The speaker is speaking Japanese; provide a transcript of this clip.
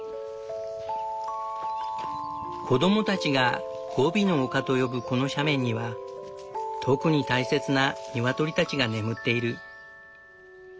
子供たちが「ゴビの丘」と呼ぶこの斜面には特に大切なニワトリたちが眠っている。